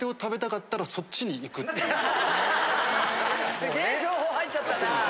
すげえ情報入っちゃったな。